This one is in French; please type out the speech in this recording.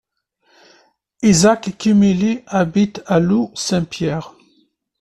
Isaac Kimeli habite à Leeuw-Saint-Pierre.